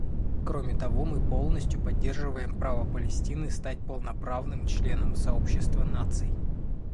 Кроме того, мы полностью поддерживаем право Палестины стать полноправным членом сообщества наций.